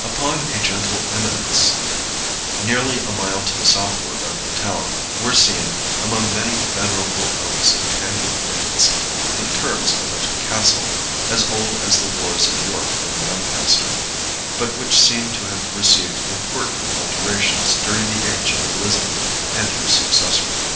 Upon a gentle eminence, nearly a mile to the southward of the town, were seen, among many venerable oaks and tangled thickets, the turrets of a castle, as old as the wars of York and Lancaster, but which seemed to have received important alterations during the age of Elizabeth and her successor.